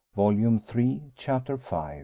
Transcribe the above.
Volume Three, Chapter V.